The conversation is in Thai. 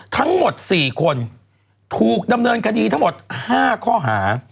ทั้งหมด๔คนถูกดำเนินคดี๕ข้อหา